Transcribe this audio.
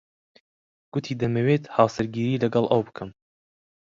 گوتی دەمەوێت هاوسەرگیری لەگەڵ ئەو بکەم.